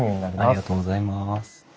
ありがとうございます。